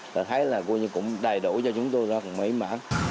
tôi thấy là cũng đầy đủ cho chúng tôi rất là may mắn